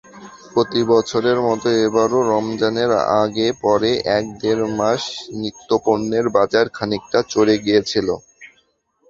প্রতিবছরের মতো এবারও রমজানের আগে-পরে এক-দেড় মাস নিত্যপণ্যের বাজার খানিকটা চড়ে গিয়েছিল।